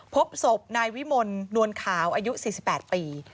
พบศพนายวิมลนวลขาวอายุ๔๘ปี